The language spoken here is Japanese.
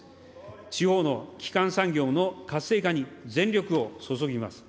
地方の基幹産業の活性化に全力を注ぎます。